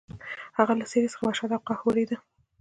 د هغه له څېرې څخه وحشت او قهر ورېده.